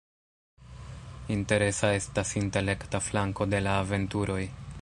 Interesa estas intelekta flanko de la aventuroj.